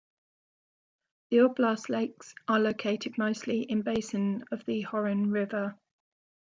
The oblast's lakes are located mostly in basin of the Horyn River.